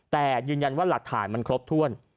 แต่ยืนยันว่าหลักฐานมันครบถ้วน